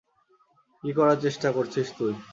কী করার চেষ্টা করছিস তুই?